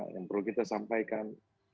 yang perlu kita sampaikan